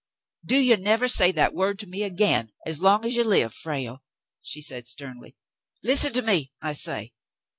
"Do you never say that word to me again as long as you live, Frale," she said sternly. " Listen at me, I say.